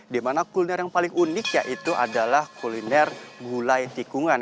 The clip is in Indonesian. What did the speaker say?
dimana kuliner yang paling unik yaitu adalah kuliner gulai tikungan